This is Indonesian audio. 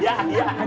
silakan pak komar